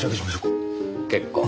結構。